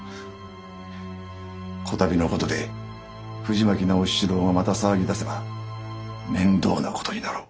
此度のことで藤巻直七郎がまた騒ぎだせば面倒なことになろう。